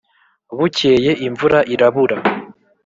bukeye imvura irabura,